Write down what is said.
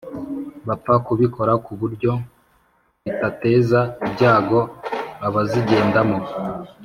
bapfa kubikora kuburyo bitateza ibyago abazigendamo